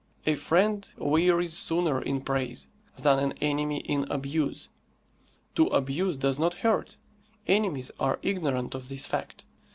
A friend wearies sooner in praise than an enemy in abuse. To abuse does not hurt. Enemies are ignorant of this fact.